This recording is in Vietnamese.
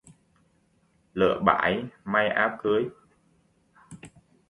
Lựa bải may áo cưới